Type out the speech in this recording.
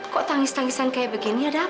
kok tangis tangisan kayak begini ada apa